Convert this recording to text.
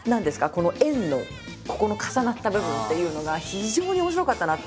この円のここの重なった部分っていうのが非常に面白かったなって。